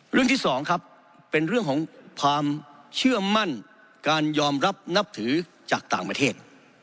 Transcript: เรื่องที่สองครับเป็นเรื่องของความเชื่อมั่นการยอมรับนับถือจากต่างประเทศ